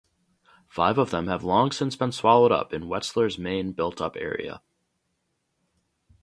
Five of them have long since been swallowed up in Wetzlar's main built-up area.